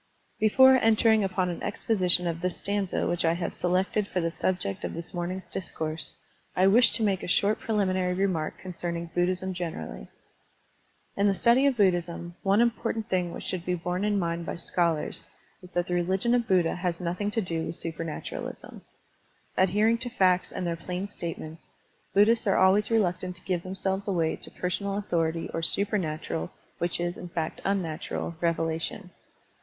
BEFORE entering upon an exposition of this stanza which I have selected for the subject of this morning's discourse, I wish to make a short preliminary remark concerning Buddhism generally. In the study of Buddhism, one important thing which should be borne in mind by scholars is that the religion of Buddha has nothing to do with supematuralism. Adhering to facts and their plain statements, Buddhists are always reluctant to give themselves away to pergonal authority or supernatural — ^which is, in fact, unnatural — ^revelation.